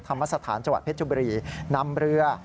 ธรรมสถานจวัตรเพชรจุบรีนำเรือ